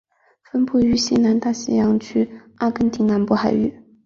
分布于西南大西洋区阿根廷南部海域。